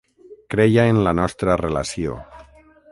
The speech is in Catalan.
Creia en la nostra relació.